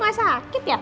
gak sakit ya